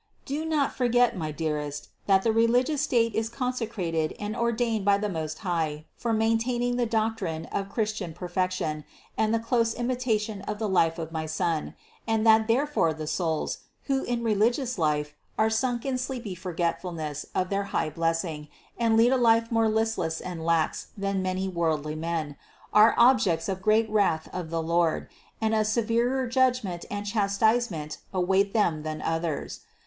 441. Do not forget, my dearest, that the religious state 24 346 CITY OF GOD is consecrated and ordained by the Most High for main taining the doctrine of Christian perfection and the close imitation of the life of my Son, and that therefore the souls, who in religious life are sunk in sleepy forgetful ness of their high blessing and lead a life more listless and lax than many worldly men, are objects of great wrath of the Lord, and a severer judgment and chastise ment await them than others.